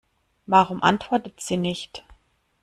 Warum antwortet sie nicht?